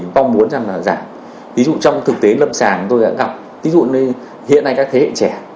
ví dụ trong thực tế lâm sàng tôi đã gặp ví dụ hiện nay các thế hệ trẻ